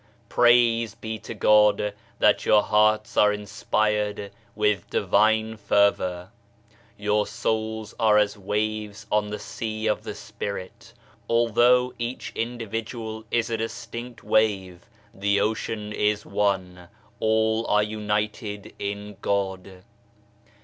Praise be to God that your hearts are inspired with Divine fervour ! Your souls are as waves on the sea of the Spirit ; although each individual is a distinct wave, the ocean is one, all are united in God.